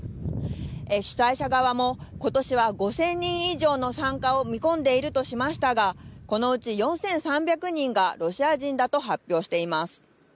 主催者側も今年は５０００人以上の参加を見込んでいるとしましたがこのうち４３００人がロシア人だと発表しています。